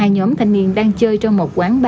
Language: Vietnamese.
hai nhóm thanh niên đang chơi trong một quán